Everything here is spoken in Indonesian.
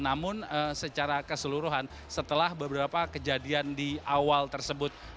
namun secara keseluruhan setelah beberapa kejadian di awal tersebut